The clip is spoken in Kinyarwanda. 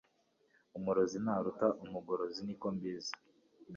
Umurozi ntaruta umurogora niko mbizi